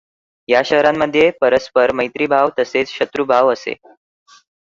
या शहरांमध्ये परस्पर मैत्रीभाव तसेच शत्रूभाव असे.